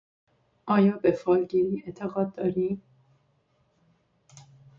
آیا به فالگیری اعتقاد داری؟